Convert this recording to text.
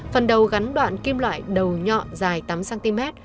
phần đầu gắn đoạn kim loại đầu nhọn dài tám cm